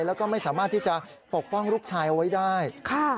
แล้วก็ไม่สามารถที่จะปกป้องลูกชายเอาไว้ได้ค่ะ